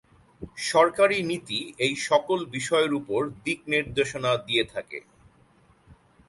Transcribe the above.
সরকারী নীতি এই সকল বিষয়ের উপর দিক নির্দেশনা দিয়ে থাকে।